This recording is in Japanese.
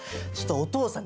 お父さん！